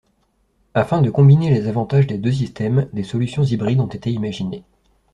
Afin de combiner les avantages des deux systèmes des solutions hybrides ont été imaginées.